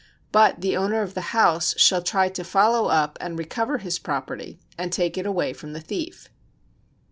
But the owner of the house shall try to follow up and recover his property, and take it away from the thief.